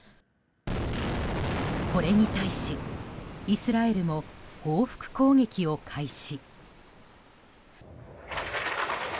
これに対し、イスラエルも報復攻撃を開始。